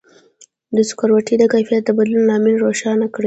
د سکروټي د کیفیت د بدلون لامل روښانه کړئ.